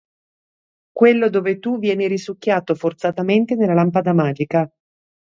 Quello dove tu vieni risucchiato forzatamente nella lampada magica.